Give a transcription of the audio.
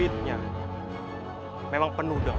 itu nilai keumsesan generasi